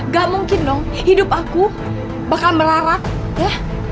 gak mungkin dong hidup aku bakal merarak ya